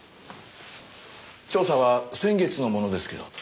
調査は先月のものですけど。